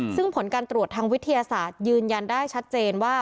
ซึ่งผลการตรวจทางวิทยาศาสตร์ยืนยันได้ชัดเจนว่า